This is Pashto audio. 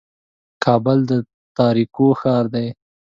کابل د تاریکو ښار دی.